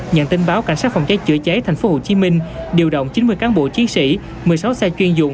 nhận tin báo cảnh sát phòng cháy chữa cháy tp hcm điều động chín mươi cán bộ chiến sĩ một mươi sáu xe chuyên dụng